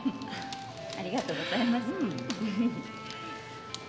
ありがとうございます。